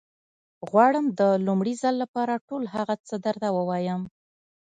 غواړم د لومړي ځل لپاره ټول هغه څه درته ووايم.